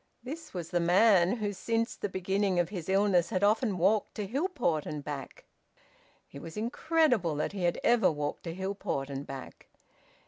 This was the man who since the beginning of his illness had often walked to Hillport and back! It was incredible that he had ever walked to Hillport and back.